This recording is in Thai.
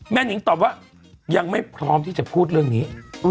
นิ้งตอบว่ายังไม่พร้อมที่จะพูดเรื่องนี้